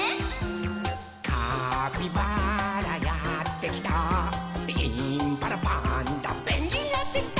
「カピバラやってきたインパラパンダペンギンやってきた」